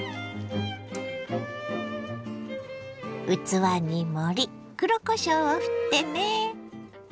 器に盛り黒こしょうをふってね。